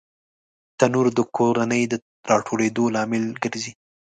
تنور د کورنۍ د راټولېدو لامل ګرځي